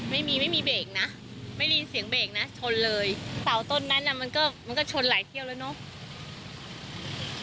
ไม่มีไม่มีเบรกนะไม่ได้ยินเสียงเบรกนะชนเลยเสาต้นนั้นน่ะมันก็มันก็ชนหลายเที่ยวแล้วเนอะ